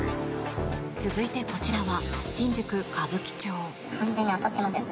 続いてこちらは新宿・歌舞伎町。